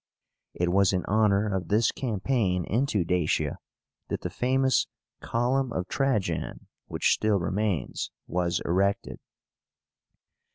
It was in honor of this campaign into Dacia that the famous COLUMN OF TRAJAN, which still remains, was erected.